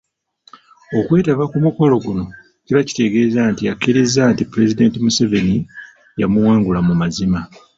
Okwetaba ku mukolo guno kiba kitegeeza nti akkiriza nti Pulezidenti Museveni yamuwangula mu mazima.